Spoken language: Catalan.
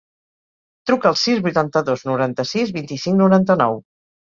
Truca al sis, vuitanta-dos, noranta-sis, vint-i-cinc, noranta-nou.